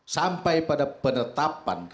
sampai pada penetapan